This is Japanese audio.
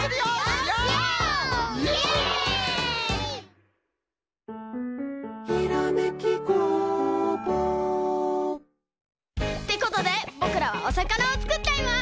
イエイ！ってことでぼくらはおさかなをつくっちゃいます！